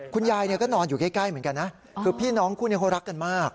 คุณยายก็นอนอยู่ใกล้เหมือนกันนะคือพี่น้องคู่นี้เขารักกันมาก